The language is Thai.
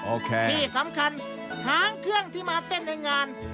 ที่สำคัญหางเครื่องที่มาเต้นในงาน